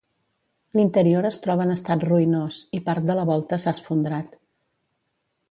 L'interior es troba en estat ruïnós, i part de la volta s'ha esfondrat.